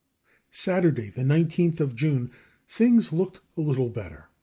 Saturday, the 19th of June, things looked a little better.